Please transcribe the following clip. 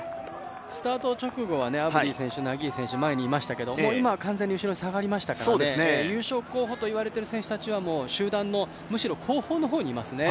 スタート直後はアブディ選手、ナギーエ選手前にいましたけど、今は完全に後ろに下がりましたからね優勝候補といわれている選手たちはむしろ集団の後方の方にいますね。